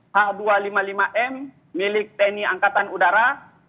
h dua ratus lima puluh lima m milik tni angkatan udara